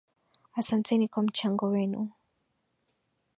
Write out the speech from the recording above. Asanteni kwa mchango wenu.